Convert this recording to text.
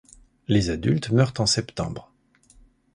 Les adultes meurent en septembre.